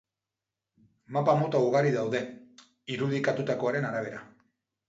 Mapa mota ugari daude irudikatutakoaren arabera.